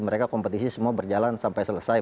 mereka kompetisi semua berjalan sampai selesai